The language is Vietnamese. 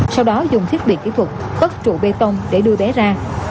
sau đó dùng thiết bị kỹ thuật cất trụ bê tông để đưa bé ra